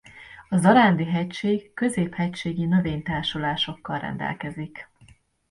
A Zarándi-hegység középhegységi növénytársulásokkal rendelkezik.